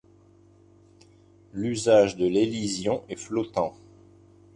L'usage de l'élision est flottant.